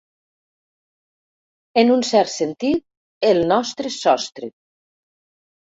En un cert sentit, el nostre sostre.